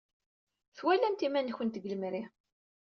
Twalamt iman-nkent deg lemri.